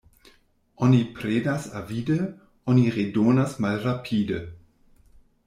Oni prenas avide, oni redonas malrapide.